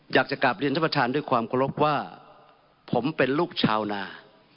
อยากจะกลับเรียนท่านประธานด้วยความเคารพว่าผมเป็นลูกชาวนา